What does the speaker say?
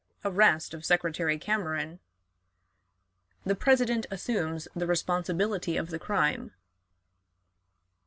Arrest of Secretary Cameron. The President assumes the Responsibility of the Crime.